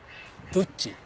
どっち？